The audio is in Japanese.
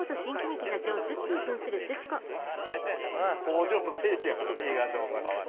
工場の聖地やからね東大阪は。